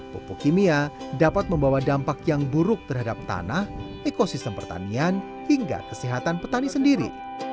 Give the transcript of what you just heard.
pupuk kimia dapat membawa dampak yang buruk terhadap tanah ekosistem pertanian hingga kesehatan petani sendiri